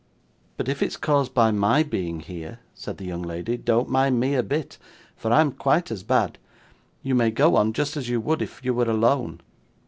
'But if it's caused by my being here,' said the young lady, 'don't mind me a bit, for I'm quite as bad. You may go on just as you would if you were alone.